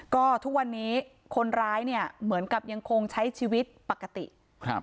ก็ทุกวันนี้คนร้ายเนี่ยเหมือนกับยังคงใช้ชีวิตปกติครับ